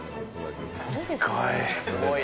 すごい。